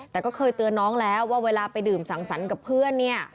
แต่ก็เคยเตือนน้องแล้วว่าเวลาไปดื่มสังสรรค์กับเพื่อนเนี่ย